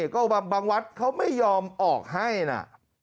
ก็บางวัดเขาไม่ยอมออกให้นะ